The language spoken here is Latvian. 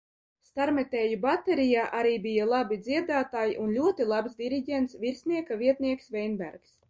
Starmetēju baterijā arī bija labi dziedātāji un ļoti labs diriģents, virsnieka vietnieks Veinbergs.